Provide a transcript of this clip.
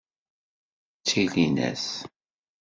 Ttilin-as.